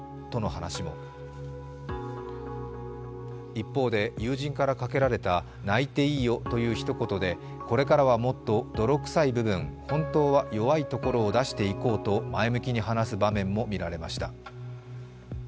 一方で友人からかけられた「泣いていいよ」というひと言でこれからはもっと泥臭い部分本当は弱いところを出していこうと前向きに話す場面も見られました。